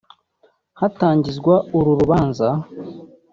Hatangizwa uru rubanza